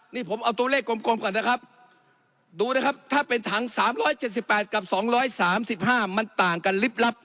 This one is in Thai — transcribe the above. นี่ผมเอาตัวเลขกลมกลมก่อนนะครับดูนะครับถ้าเป็นถังสามร้อยเจ็ดสิบแปดกับสองร้อยสามสิบห้ามันต่างกันลิบลับ